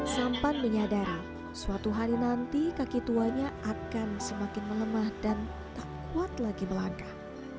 sampan menyadari suatu hari nanti kaki tuanya akan semakin melemah dan tak kuat lagi melangkah